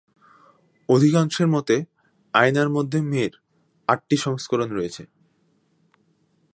অধিকাংশের মতে, "আয়নার মধ্যে মেয়ের" আটটি সংস্করণ রয়েছে।